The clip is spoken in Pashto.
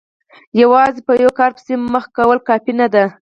یوازې په یوه کار پسې مخه کول کافي نه دي.